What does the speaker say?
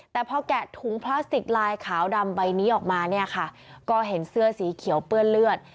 แต่พอแกะถุงพลาสติกลายขาวดำใบนี้ออกมาเนี่ยค่ะก็เห็นเสื้อสีเขียวเปื้อนเลือด